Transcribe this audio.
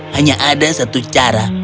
hanya ada satu cara